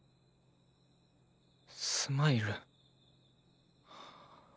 スマイル。